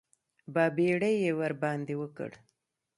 بابېړي یې ورباندې وکړ.